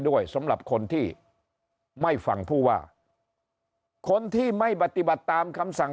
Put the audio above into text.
ด้วยสำหรับคนที่ไม่ฟังผู้ว่าคนที่ไม่ปฏิบัติตามคำสั่ง